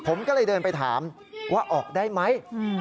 ผมก็เลยเดินไปถามว่าออกได้ไหม